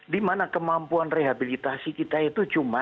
dimana kemampuan rehabilitasi kita itu cuma